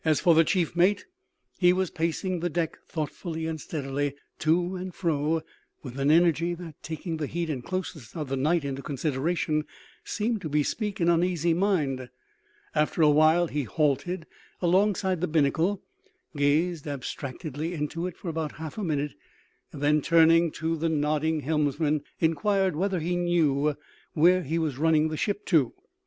As for the chief mate, he was pacing the deck thoughtfully and steadily to and fro with an energy that, taking the heat and closeness of the night into consideration, seemed to bespeak an uneasy mind. After a while he halted alongside the binnacle, gazed abstractedly into it for about half a minute, and then, turning to the nodding helmsman, inquired whether he knew where he was running the ship to.